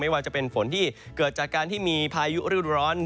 ว่าจะเป็นฝนที่เกิดจากการที่มีพายุฤดูร้อน